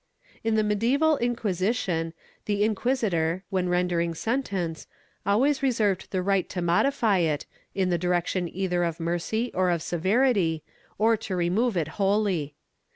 In the medieval Inquisition, the inquisitor, when rendering sen tence, always reserved the right to modify it, in the direction either of mercy or of severity, or to remove it wholly.